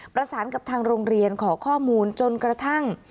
ประสานกับทางโรงเรียนขอข้อมูลจนกระทั่ง